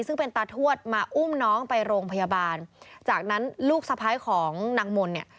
ซึ่งเป็นตาทวดมาอุ้มน้องไปโรงพยาบาลจากนั้นลูกสะพ้ายของนางมนต์เนี่ย